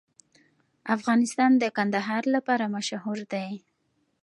افغانستان د کندهار لپاره مشهور دی.